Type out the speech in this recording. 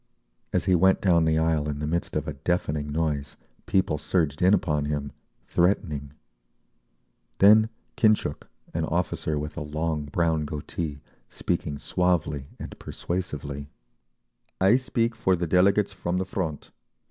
As he went down the aisle in the midst of a deafening noise, people surged in upon him, threatening…. Then Khintchuk, an officer with a long brown goatee, speaking suavely and persuasively: "I speak for the delegates from the Front.